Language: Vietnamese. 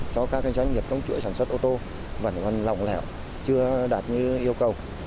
cho các doanh nghiệp công chuỗi sản xuất ô tô vẫn còn lỏng lẻo chưa đạt như yêu cầu